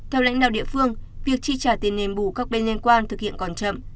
theo lãnh đạo địa phương việc chi trả tiền nền bù các bên liên quan thực hiện còn chậm